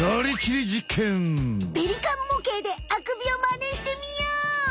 ペリカンもけいであくびをマネしてみよう！